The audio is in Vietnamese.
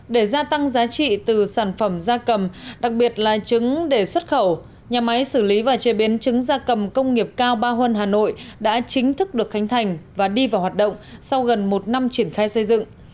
để gia tăng giá trị từ sản phẩm da cầm đặc biệt là trứng để xuất khẩu nhà máy xử lý và chế biến trứng da cầm công nghiệp cao ba huân hà nội đã chính thức được khánh thành và đi vào hoạt động sau gần một năm triển khai xây dựng